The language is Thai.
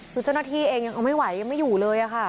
คือเจ้าหน้าที่เองยังเอาไม่ไหวยังไม่อยู่เลยค่ะ